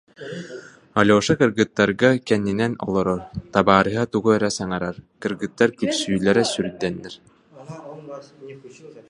Алеша кыргыттарга кэннинэн олорор, табаарыһа тугу эрэ саҥарар, кыргыттар күлсүүлэрэ сүрдэннэ